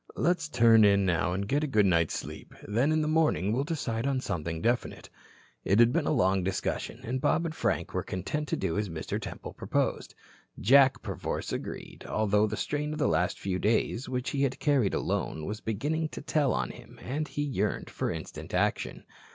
Let's turn in now and get a good night's sleep. Then in the morning we'll decide on something definite." It had been a long discussion, and Bob and Frank were content to do as Mr. Temple proposed. Jack, perforce, agreed, although the strain of the last few days, which he had carried alone, was beginning to tell on him and he yearned for instant action.